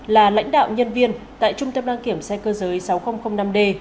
là lãnh đạo nhân viên tại trung tâm đăng kiểm xe cơ giới sáu nghìn năm d